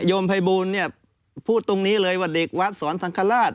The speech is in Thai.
โยมภัยบุญพูดตรงนี้เลยว่าเด็กวัดสอนสังฆราช